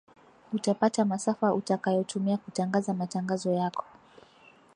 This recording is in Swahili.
utapata masafa utakayotumia kutangaza matangazo yako